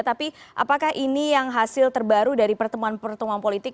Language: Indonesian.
tapi apakah ini yang hasil terbaru dari pertemuan pertemuan politik